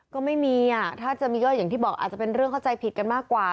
ก็ไม่มีอ่ะถ้าจะมีก็อย่างที่บอกอาจจะเป็นเรื่องเข้าใจผิดกันมากกว่า